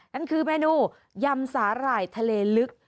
นั่นคือเมนูยำสาหร่ายทะเลลึก